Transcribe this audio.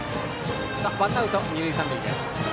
ワンアウト、二塁三塁です。